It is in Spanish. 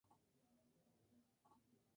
El conductor del camión resultó ileso.